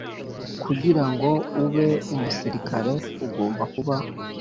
Kugira ngo ube umusirikare ugomba kuba